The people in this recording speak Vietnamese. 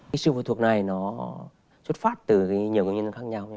cái sự phụ thuộc này nó xuất phát từ nhiều nguyên nhân khác nhau